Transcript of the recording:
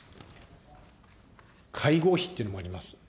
会合費っていうのもあります。